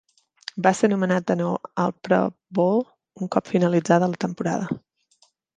Va ser nomenat de nou al Pro Bowl un cop finalitzada la temporada.